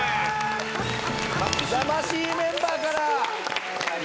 魂メンバーから。